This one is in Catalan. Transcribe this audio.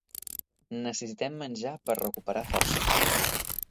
Necessitem menjar per recuperar forces.